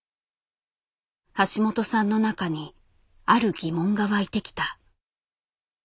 橋本さんの中にある疑問が湧いてきた。